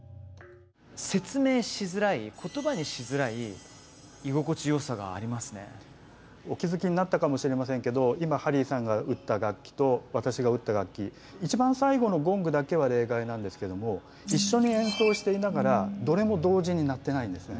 説明しづらいお気付きになったかもしれませんけど今ハリーさんが打った楽器と私が打った楽器一番最後のゴングだけは例外なんですけども一緒に演奏していながらどれも同時に鳴ってないんですね。